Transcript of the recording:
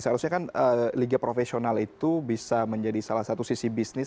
seharusnya kan liga profesional itu bisa menjadi salah satu sisi bisnis